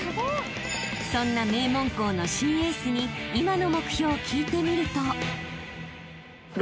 ［そんな名門校の新エースに今の目標を聞いてみると］